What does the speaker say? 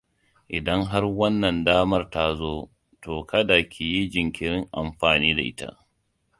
Idan har wannan damar ta zo, to kada ki yi jinkirin amfani da ita.